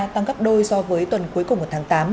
tăng gấp đôi so với tuần cuối cùng của tháng tám